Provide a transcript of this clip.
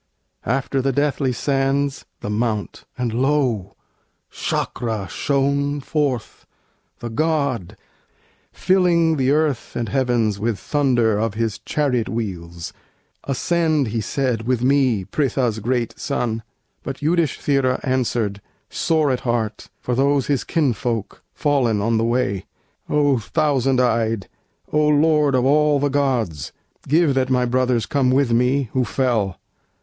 After the deathly sands, the Mount; and lo! Sâkra shone forth, the God, filling the earth And heavens with thunder of his chariot wheels. "Ascend," he said, "with me, Pritha's great son!" But Yudhisthira answered, sore at heart For those his kinsfolk, fallen on the way: "O Thousand eyed, O Lord of all the gods, Give that my brothers come with me, who fell!